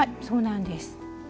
そうなんです。